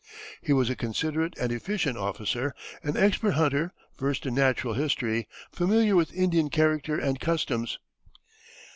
He was a considerate and efficient officer, an expert hunter, versed in natural history, familiar with Indian character and customs.